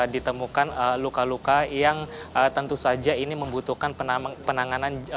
ditemukan luka luka yang tentu saja ini membutuhkan penanganan